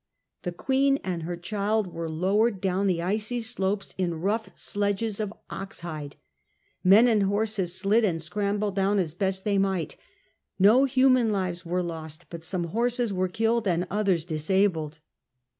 The queen and her child were lowered down the icy slopes in rough sledges of ox hide ; men and horses slid and scrambled down as best they might ; no human lives were lost, but some horses were killed, others disabled.